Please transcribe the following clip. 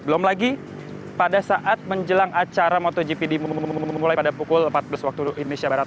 belum lagi pada saat menjelang acara motogp dimulai pada pukul empat belas waktu indonesia barat